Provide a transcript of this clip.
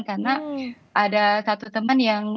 karena ada satu teman yang